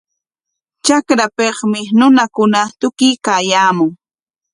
Trakrapikmi runakuna kutiykaayaamun.